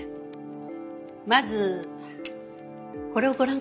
まずこれをご覧ください。